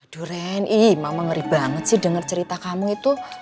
durian ii mama ngeri banget sih denger cerita kamu itu